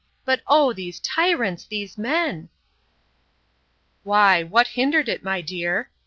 But, O these tyrants! these men! Why, what hindered it, my dear?